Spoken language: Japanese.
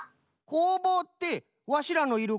「こうぼう」ってわしらのいる